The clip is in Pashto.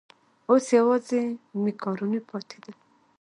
اوس یوازې مېکاروني پاتې ده.